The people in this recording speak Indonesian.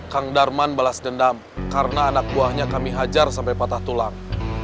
kang darman balas dendam karena anak buahnya kami hajar sampai patah tulang